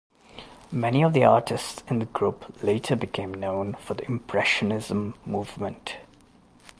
Many of the artists in the group later became known for the Impressionism movement.